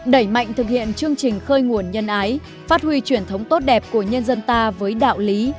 đẩy mạnh thực hiện chương trình khơi nguồn nhân ái phát huy truyền thống tốt đẹp của nhân dân ta với đạo lý